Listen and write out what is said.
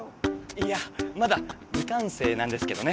いやまだみかんせいなんですけどね。